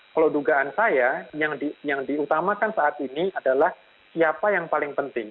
kalau dugaan saya yang diutamakan saat ini adalah siapa yang paling penting